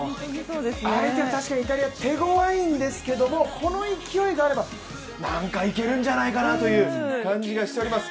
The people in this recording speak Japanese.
相手は確かにイタリア、手ごわいんですけれども、この勢いがあれば、なにかいけるんじゃないかなという感じがしております。